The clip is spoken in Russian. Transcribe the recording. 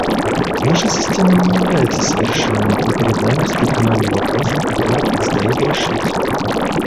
Наша система не является совершенной, и перед нами стоит много вопросов, которые предстоит решить.